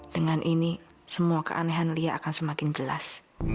dengan ini semua keanehan lia akan semakin jelas